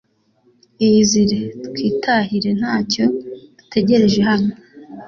Iyizire twitahire ntacyo dutegereje hano